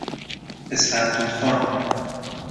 اسپند دود کن